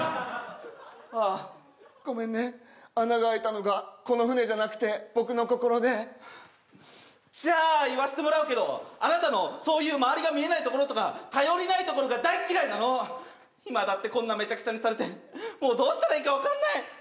ああごめんね穴が開いたのがこの船じゃなくて僕の心でじゃあ言わせてもらうけどあなたのそういう周りが見えないところとか頼りないところが大っ嫌いなの今だってこんなめちゃくちゃにされてもうどうしたらいいか分かんない！